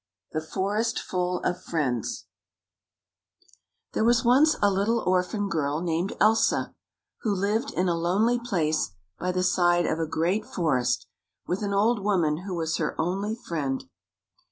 The Forest Full of Friends T HERE was once a little orphan girl named Elsa, who lived in a lonely place by the side of a great forest, with an old woman who was her only friend.